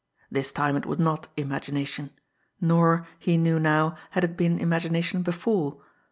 This time it was not imagination nor, he knew now, had it been imagination before.